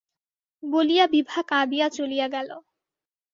বলিয়া বিভা কাঁদিয়া চলিয়া গেল।